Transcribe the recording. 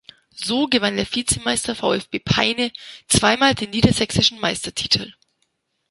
So gewann der Vizemeister VfB Peine zweimal den niedersächsischen Meistertitel.